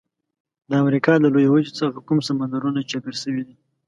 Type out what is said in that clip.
د امریکا له لویې وچې څخه کوم سمندرونه چاپیر شوي دي؟